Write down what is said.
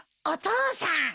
お父さん。